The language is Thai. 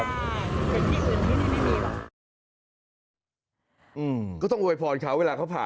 สุดยอดดีแล้วล่ะ